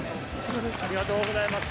ありがとうございます。